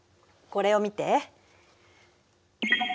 これを見て。